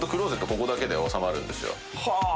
ここだけで収まるんですよ。